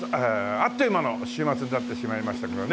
あっという間の週末になってしまいましたけどね